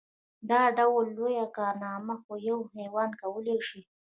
دا ډول لويه کارنامه خو يو حيوان کولی شي.